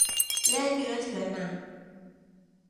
แล่เนื้อเถือหนัง